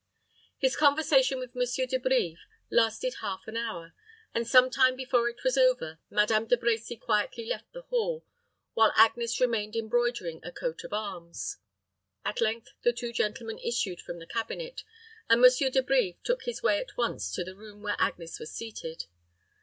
His conversation with Monsieur De Brives lasted half an hour, and some time before it was over, Madame De Brecy quietly left the hall, while Agnes remained embroidering a coat of arms. At length the two gentlemen issued from the cabinet, and Monsieur De Brives took his way at once to the room where Agnes was seated.